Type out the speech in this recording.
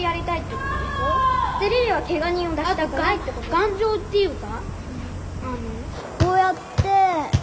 頑丈っていうか。